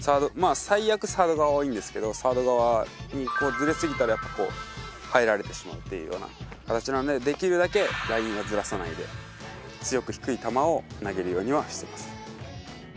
最悪サード側はいいんですけどサード側にずれ過ぎたら入られてしまうっていうようなかたちなんでできるだけラインはずらさないで強く低い球を投げるようにはしてます。